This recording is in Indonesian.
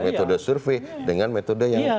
metode survei dengan metode yang